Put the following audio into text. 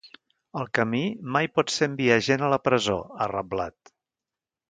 El camí mai pot ser enviar gent a la presó, ha reblat.